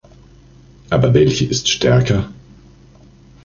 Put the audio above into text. Aber welche ist stärker?